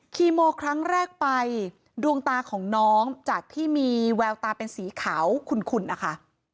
คีโมครั้งแรกไปดวงตาของน้องจากที่มีแววตาเป็นสีขาวขุนนะคะ